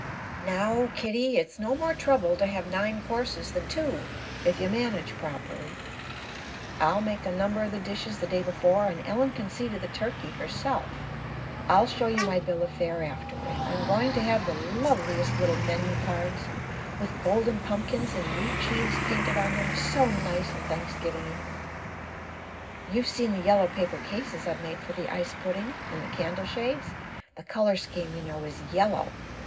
_" "Now, Kitty, it's no more trouble to have nine courses than two, if you manage properly. I'll make a number of the dishes the day before, and Ellen can see to the turkey herself; I'll show you my bill of fare afterward. I'm going to have the loveliest little menu cards, with golden pumpkins in wheat sheaves painted on them so nice and Thanksgivingy! You've seen the yellow paper cases I've made for the ice pudding, and the candle shades the color scheme, you know, is yellow.